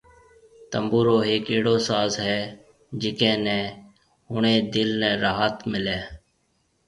تنبورو ھيَََڪ اھڙو ساز ھيَََ جڪي ني ۿڻي دل ني راحت ملي